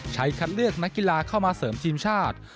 คัดเลือกนักกีฬาเข้ามาเสริมทีมชาติ